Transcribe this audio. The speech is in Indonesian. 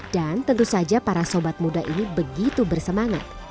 dan tentu saja para sobat muda ini begitu bersemangat